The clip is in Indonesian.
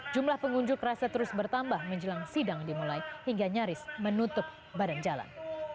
jumlah pengunjuk rasa terus bertambah menjelang sidang dimulai hingga nyaris menutup badan jalan